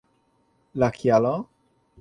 La kialo?